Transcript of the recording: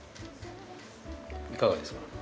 いかがですか？